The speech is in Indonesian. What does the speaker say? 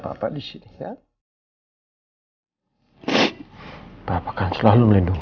bapak tahu bapak tahu sayang